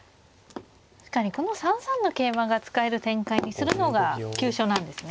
この３三の桂馬が使える展開にするのが急所なんですね。